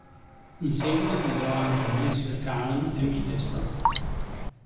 In seguito guidò anche Mansfield Town e Middlesbrough.